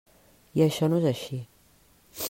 I això no és així.